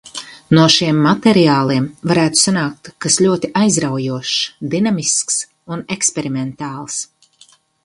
No šiem materiāliem varētu sanākt kas ļoti aizraujošs, dinamisks un eksperimentāls.